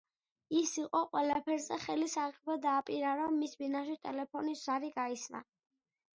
ის იყო, ყველაფერზე ხელის აღება დააპირა, რომ მის ბინაში ტელეფონის ზარი გაისმა.